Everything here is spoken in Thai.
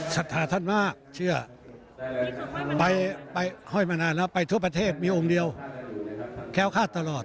สัทธาท่านมากเชื่อไปทั่วประเทศมีองค์เดียวแค้วข้าดตลอด